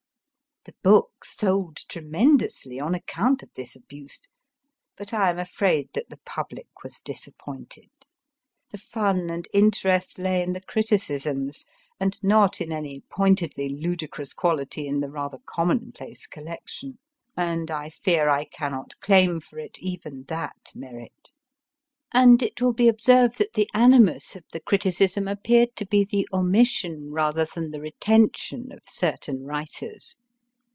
The book sold tremendously on account of this abuse, but I am afraid that the public was disappointed. The fun and interest lay in the criticisms, and not in any pointedly ludicrous quality in the rather common place collection, and I fear I cannot claim for it even that merit. And it will be observed that the animus of the 266 MY FIRST BOOK criticism appeared to be the omission rather than the reten tion of certain writers.